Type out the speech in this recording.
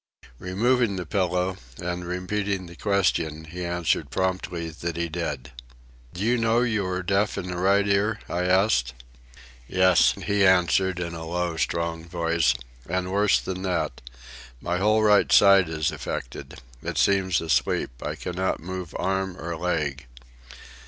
Removing the pillow and, repeating the question he answered promptly that he did. "Do you know you are deaf in the right ear?" I asked. "Yes," he answered in a low, strong voice, "and worse than that. My whole right side is affected. It seems asleep. I cannot move arm or leg."